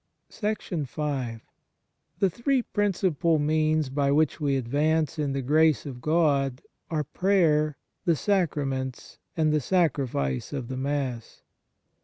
THE three principal means by which we advance in the grace of God are prayer, the sacraments, and the Sacrifice of the Mass.